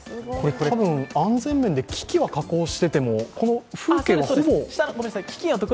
安全面で機器は加工していても、この風景はほぼ。